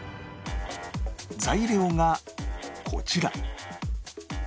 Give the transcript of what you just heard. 材料がこちら